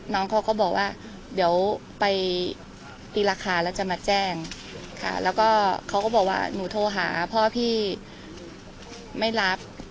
น้องเขาก็บอกว่าเดี๋ยวไปตีราคาแล้วจะมาแจ้งค่ะแล้วก็เขาก็บอกว่าหนูโทรหาพ่อพี่ไม่รับ